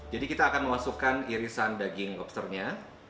jadi kita akan memasukkan irisan daging lobsternya